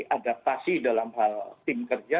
adaptasi dalam hal tim kerja